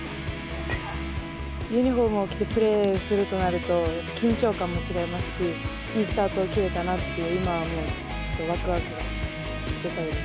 ユニホームを着てプレーするとなると、やっぱ緊張感も違いますし、いいスタートを切れたなっていう、今はもう、わくわくがでかいです。